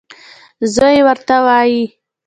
زوی یې ورته وايي: